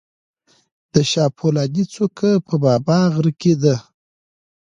د شاه فولادي څوکه په بابا غر کې ده